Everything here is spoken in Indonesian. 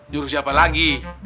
juru siapa lagi